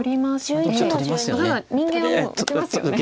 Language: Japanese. ただ人間はもう受けますよね。